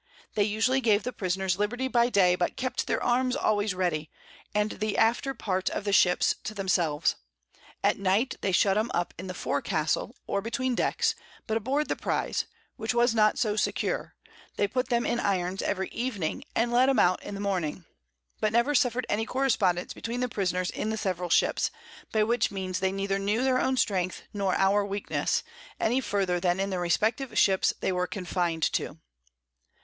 They usually gave the Prisoners Liberty by Day, but kept their Arms always ready, and the after Part of the Ships to themselves: At Night they shut 'em up in the Fore Castle, or between Decks; but aboard the Prize, which was not so secure, they put them in Irons every Evening, and let 'em out in the Morning; but never suffer'd any Correspondence between the Prisoners in the several Ships, by which Means they neither knew their own Strength, nor our Weakness, any further than in the respective Ships they were confin'd to.